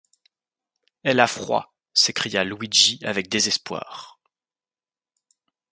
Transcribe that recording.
Elle a froid, s’écria Luigi avec désespoir.